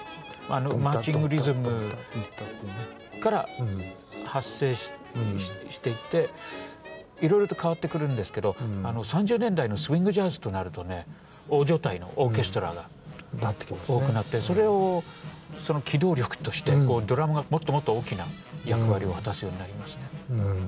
マーチングリズムから発生していっていろいろと変わってくるんですけど３０年代のスイングジャズとなるとね大所帯のオーケストラが多くなってそれをその機動力としてドラムがもっともっと大きな役割を果たすようになりますね。